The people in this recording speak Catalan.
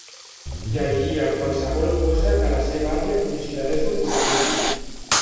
Llegia qualsevol cosa que la seva àvia considerés oportuna.